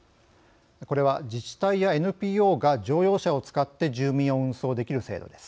これは、自治体やＮＰＯが乗用車を使って住民を運送できる制度です。